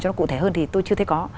cho nó cụ thể hơn thì tôi chưa thấy có